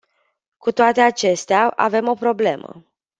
Cu toate acestea, avem o problemă.